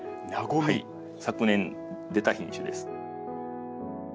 昨年出た品種です。